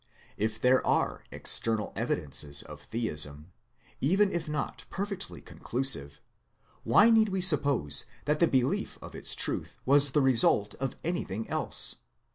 If there are external evidences of theism, even if not perfectly conclusive, why need we suppose that the belief of its truth was the result of anything else?